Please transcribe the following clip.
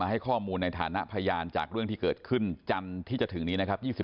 ให้ข้อมูลในฐานะพยานจากเรื่องที่เกิดขึ้นจันทร์ที่จะถึงนี้นะครับ